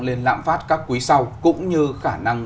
lên lạm phát các quý sau cũng như khả năng